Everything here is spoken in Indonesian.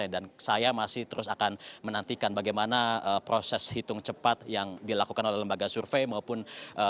dan saya masih terus akan menantikan bagaimana proses hitung cepat yang dilakukan oleh lembaga survei maupun